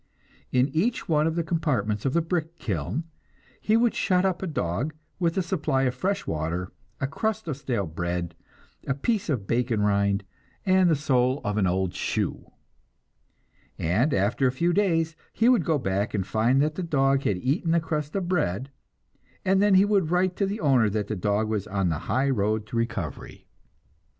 In each one of the compartments of the brick kiln he would shut up a dog with a supply of fresh water, a crust of stale bread, a piece of bacon rind, and the sole of an old shoe; and after a few days he would go back and find that the dog had eaten the crust of bread, and then he would write to the owner that the dog was on the high road to recovery.